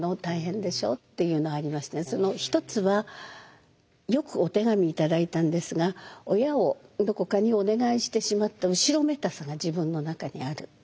大変でしょ？」っていうのがありまして一つはよくお手紙頂いたんですが親をどこかにお願いしてしまった後ろめたさが自分の中にある。